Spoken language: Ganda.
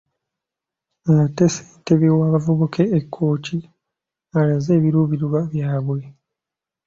Ate Ssentebe w'abavubuka e Kkooki alaze ebiruubirirwa byabwe.